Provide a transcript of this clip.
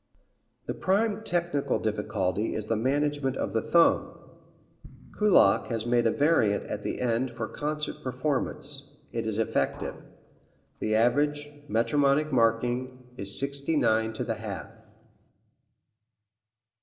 The prime technical difficulty is the management of the thumb. Kullak has made a variant at the end for concert performance. It is effective. The average metronomic marking is sixty nine to the half.